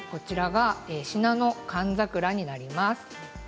信濃寒桜になります。